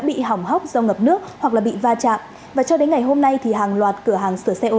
bị bỏng hóc do ngập nước hoặc bị va chạm và cho đến ngày hôm nay hàng loạt cửa hàng sửa xe ô